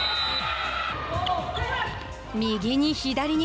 右に左に。